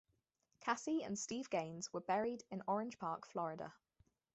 Cassie and Steve Gaines were buried in Orange Park, Florida.